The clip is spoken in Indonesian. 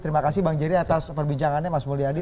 terima kasih bang jerry atas perbincangannya mas mulya adi